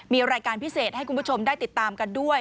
มีรายการพิเศษให้คุณผู้ชมได้ติดตามกันด้วย